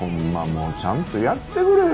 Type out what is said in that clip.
もうちゃんとやってくれよ。